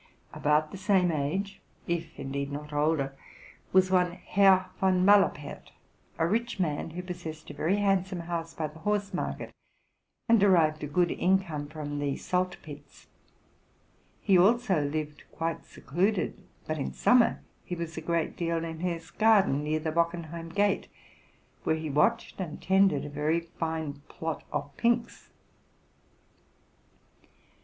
About the same age, if indeed not older, was one Herr Von Malapert, a rich man, who possessed a very handsome house by the horse market, and derived a good income from salt pits. He also lived quite secluded; but in summer he was a great deal in his garden, near the Bockenheim gate, where he watched and tended a very fine plot of pinks.